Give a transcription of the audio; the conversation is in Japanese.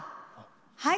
はい。